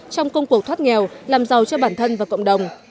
trong công cuộc thoát nghèo làm giàu cho bản thân và cộng đồng